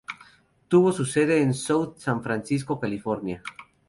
Tuvo su sede en South San Francisco, California.